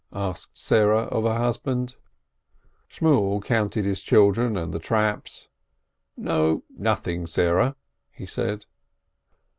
asked Sarah of her husband. Shimiel counted his children and the traps. "No, nothing, Sarah !" he said.